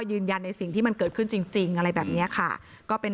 ยืนยันในสิ่งที่มันเกิดขึ้นจริงอะไรแบบนี้ค่ะก็เป็น